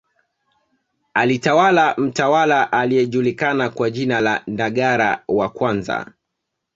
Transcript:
Alitawala mtawala aliyejulikana kwa jina la Ndagara wa kwanza